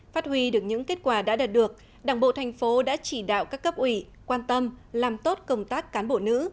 phát huy được những kết quả đã đạt được đảng bộ thành phố đã chỉ đạo các cấp ủy quan tâm làm tốt công tác cán bộ nữ